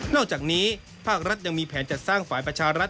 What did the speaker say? อกจากนี้ภาครัฐยังมีแผนจัดสร้างฝ่ายประชารัฐ